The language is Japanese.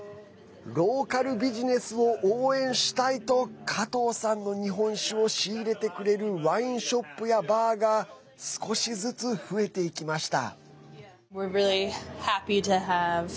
ローカルビジネスを応援したいと加藤さんの日本酒を仕入れてくれるワインショップやバーが少しずつ増えていきました。